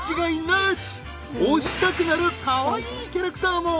推したくなるカワイイキャラクターも。